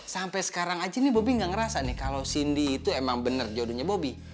sampe sekarang aja nih bobi ga ngerasa kalo cindy itu emang bener jodohnya bobi